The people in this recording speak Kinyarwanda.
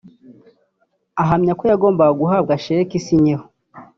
Ahamya ko yagombaga guhabwa sheki isinyeho